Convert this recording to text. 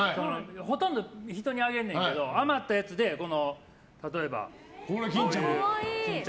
ほとんど人にあげんねんけど余ったやつで、例えば巾着。